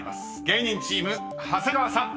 芸人チーム長谷川さん］